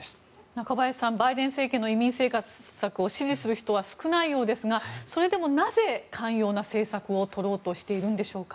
中林さん、バイデン政権の移民政策を支持する人は少ないようですがそれでも、なぜ寛容な政策をとろうとしているんでしょうか。